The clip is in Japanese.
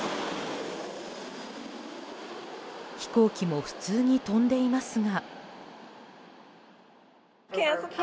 飛行機も普通に飛んでいますが。